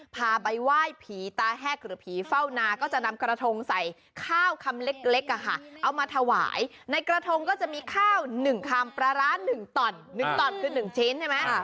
มาไหว้ผีตาแห้กหรือผีเผาหนาก็จะนำกระทงใส่ข้าวค้ำเล็กอ่ะค่ะอามาถวายในกระทงก็จะมีข้าว๑คาร์มปลาร้าน๑ต่อนแล้ว๑จิ้นใช่มั้ย